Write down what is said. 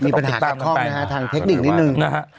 มีปัญหากระทรวมทางเทคนิคนิดนึง